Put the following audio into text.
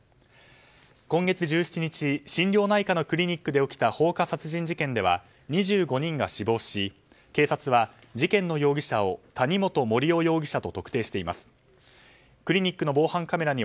今月１７日心療内科のクリニックで起きた放火殺人事件では２５人が死亡し警察は事件の容疑者を谷本盛雄容疑者と特定しています。